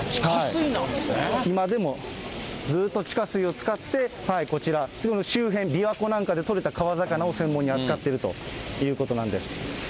今でもずーっと地下水を使って、こちら、周辺、びわ湖なんかで取れた川魚を専門に扱っているということなんです。